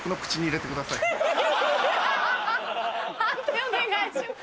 判定お願いします。